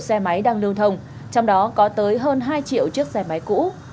xe máy đang lưu thông trong đó có tới hơn hai triệu chiếc xe máy cũ